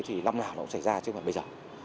thì năm nào nó cũng xảy ra chứ không phải bây giờ